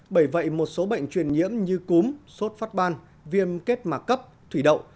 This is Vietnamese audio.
bởi vậy một số bệnh truyền nhiễm như cúm sốt phát ban viêm kết mạc cấp thủy đậu